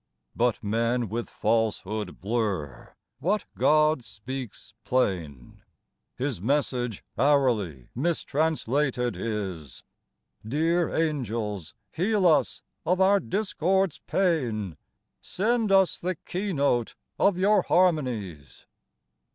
But men with falsehood blur what God speaks plain ; His message hourly mistranslated is. Dear angels, heal us of our discord's pain ! Send us the keynote of your harmonies